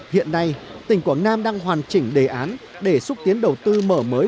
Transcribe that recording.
hiện nay tỉnh quảng nam đang hoàn chỉnh đề án để xúc tiến đầu tư mở mới